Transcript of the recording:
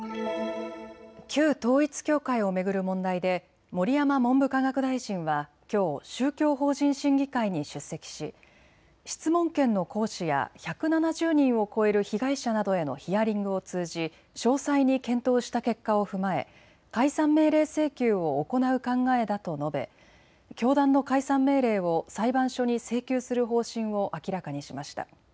旧統一教会を巡る問題で盛山文部科学大臣はきょう宗教法人審議会に出席し質問権の行使や１７０人を超える被害者などへのヒアリングを通じ詳細に検討した結果を踏まえ解散命令請求を行う考えだと述べ教団の解散命令を裁判所に請求する方針を明らかにしました。